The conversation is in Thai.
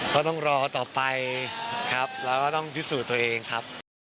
ก็ต้องรอต่อไปครับแล้วก็ต้องพิสูจน์ตัวเองครับ